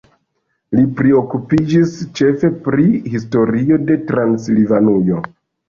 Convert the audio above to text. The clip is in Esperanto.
Li priokupiĝis ĉefe pri historio de Transilvanujo.